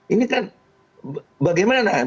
ini kan bagaimana